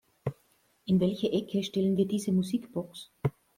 In welche Ecke stellen wir diese Musikbox?